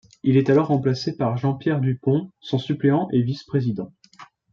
Il est alors remplacé par Jean-Pierre Dupont, son suppléant et vice-président.